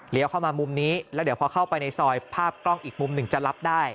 เข้ามามุมนี้แล้วเดี๋ยวพอเข้าไปในซอยภาพกล้องอีกมุมหนึ่งจะรับได้